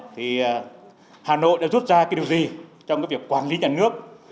thì hà nội đã rút ra cái điều gì trong cái việc quản lý nhà nước